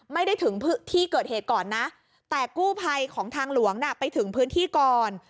ไม่ได้ถึงที่เกิดเหตุก่อนนะแต่กู้ภัยของทางหลวงไปถึงพื้นที่ก่อน